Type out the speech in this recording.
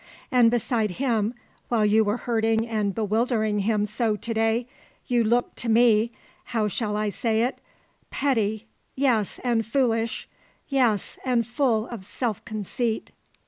And beside him, while you were hurting and bewildering him so to day, you looked to me how shall I say it petty, yes, and foolish, yes, and full of self conceit."